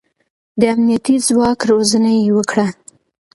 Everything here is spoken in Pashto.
د امنيتي ځواک روزنه يې وکړه.